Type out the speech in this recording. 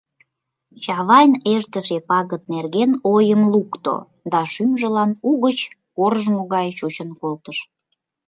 Чавайн эртыше пагыт нерген ойым лукто да шӱмжылан угыч коржмо гай чучын колтыш.